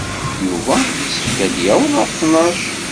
Yuba yessefk ad d-yaweḍ ɣef ttnac.